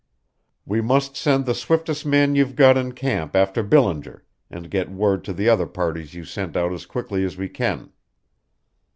"We must send the swiftest man you've got in camp after Billinger, and get word to the other parties you sent out as quickly as we can.